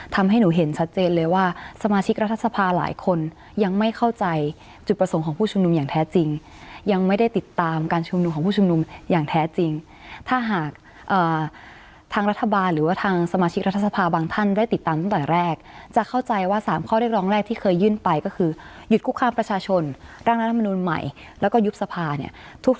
ทำให้หนูเห็นชัดเจนเลยว่าสมาชิกรัฐสภาหลายคนยังไม่เข้าใจจุดประสงค์ของผู้ชุมนุมอย่างแท้จริงยังไม่ได้ติดตามการชุมนุมของผู้ชุมนุมอย่างแท้จริงถ้าหากทางรัฐบาลหรือว่าทางสมาชิกรัฐสภาบางท่านได้ติดตามตั้งแต่แรกจะเข้าใจว่าสามข้อเรียกร้องแรกที่เคยยื่นไปก็คือหยุดคุกคามประชาชนร่างรัฐมนุนใหม่แล้วก็ยุบสภาเนี่ยทุก